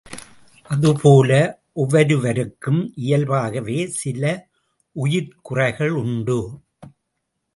அதுபோல ஒவ்வொருவருக்கும் இயல்பாகவே சில உயிர்க்குறைகள் உண்டு.